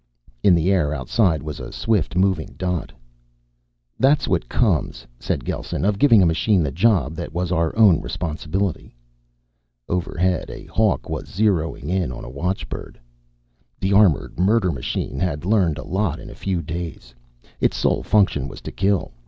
In the air outside was a swift moving dot. "That's what comes," said Gelsen, "of giving a machine the job that was our own responsibility." Overhead, a Hawk was zeroing in on a watchbird. The armored murder machine had learned a lot in a few days. Its sole function was to kill.